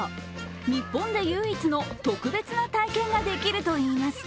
日本で唯一の特別な体験ができるといいます。